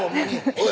おい！